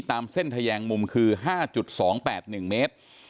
ตามเส้นทะแยงมุมคือ๕๒๘๑เมตร